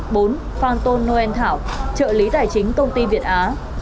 bốn phan tôn noel thảo trợ lý tài chính công ty việt á